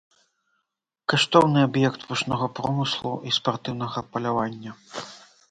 Каштоўны аб'ект пушнога промыслу і спартыўнага палявання.